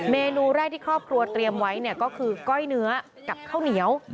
เมนูแรกที่ครอบครัวเตรียมไว้ก็คือก้อยเนื้อกับข้าวเหนียว